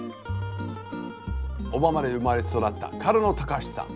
小浜で生まれ育った角野高志さん。